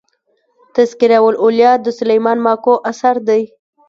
"تذکرةالاولیا" د سلیمان ماکو اثر دﺉ.